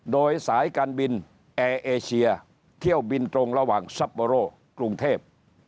โดยสายการบินแอร์เอเชียเที่ยวบินตรงระหว่างซัปโบโร่กรุงเทพ